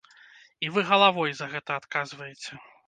І вы галавой за гэта адказваеце.